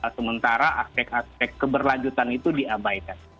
sementara aspek aspek keberlanjutan itu diabaikan